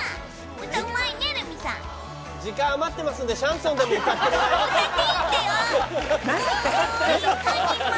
歌はないの、時間余ってますんで、シャンソンでも歌っていただいて。